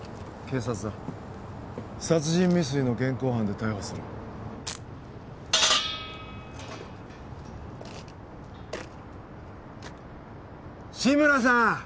警察だ殺人未遂の現行犯で逮捕する志村さん！